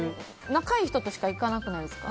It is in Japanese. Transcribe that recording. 仲いい人としか行かなくないですか？